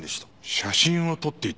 写真を撮っていた？